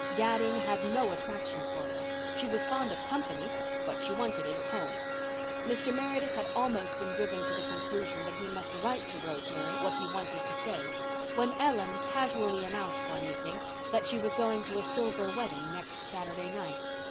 Gadding had no attraction for her. She was fond of company but she wanted it at home. Mr. Meredith had almost been driven to the conclusion that he must write to Rosemary what he wanted to say, when Ellen casually announced one evening that she was going to a silver wedding next Saturday night.